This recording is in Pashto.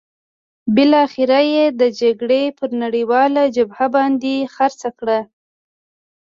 بالاخره یې د جګړې پر نړیواله جبهه باندې خرڅه کړه.